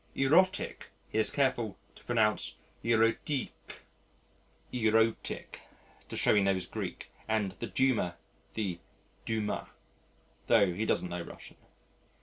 "Erotic" he is careful to pronounce eròtic to show he knows Greek, and the "Duma," the Dumà, tho' he doesn't know Russian.